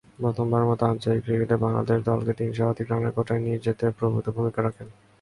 প্রথমবারের মতো আন্তর্জাতিক ক্রিকেটে বাংলাদেশ দলকে তিন শতাধিক রানের কোঠায় নিয়ে যেতে প্রভূতঃ ভূমিকা রাখেন।